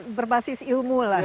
ada berbasis ilmu lah